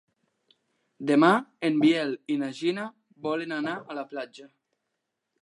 Demà en Biel i na Gina volen anar a la platja.